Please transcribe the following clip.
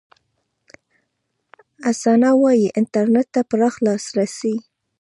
حسنه وايي، انټرنېټ ته پراخ لاسرسي